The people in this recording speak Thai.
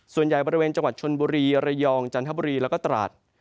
ส่วนใหญ่บริเวณจังหวัดชนบุรีระยองจันทบุรีแล้วก็ตราด